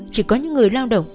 chỉ có những người lao động